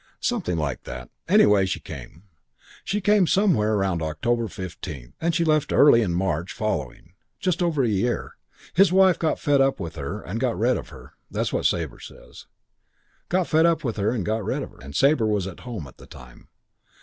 Something like that. Anyway, she came. She came somewhere about October, '15, and she left early in March following, just over a year ago. His wife got fed up with her and got rid of her that's what Sabre says got fed up with her and got rid of her. And Sabre was at home at the time.